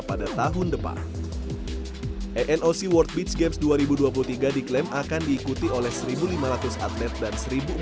pada tahun depan enoc world beach games dua ribu dua puluh tiga diklaim akan diikuti oleh seribu lima ratus atlet dan seribu empat ratus